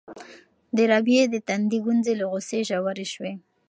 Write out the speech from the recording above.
د رابعې د تندي ګونځې له غوسې ژورې شوې.